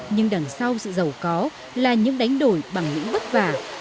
nhưng đằng sau sự giàu có là những đánh đổi bằng những bất vả